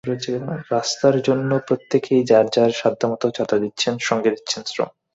রাস্তার জন্য প্রত্যেকেই যাঁর যাঁর সাধ্যমতো চাঁদা দিচ্ছেন, সঙ্গে দিচ্ছেন শ্রম।